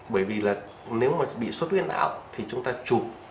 bởi vì là nếu mà bị xuất huyết não thì chúng ta chụp